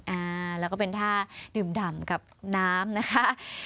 อ่าแล้วก็เป็นท่าดื่มดำกับน้ำนะคะ